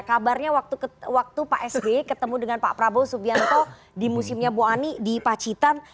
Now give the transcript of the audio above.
kabarnya waktu pak sbe ketemu dengan pak prabowo subianto di musimnya buani di pacitan